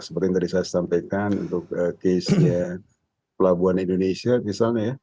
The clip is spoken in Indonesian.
seperti yang tadi saya sampaikan untuk case nya pelabuhan indonesia misalnya ya